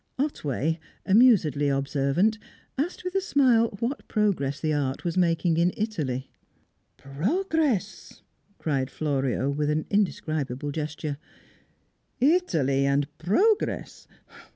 Otway, amusedly observant, asked with a smile what progress the art was making in Italy. "Progress!" cried Florio, with indescribable gesture. "Italy and progress!